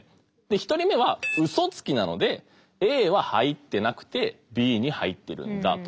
１人目はウソつきなのでＡは入ってなくてＢに入ってるんだと。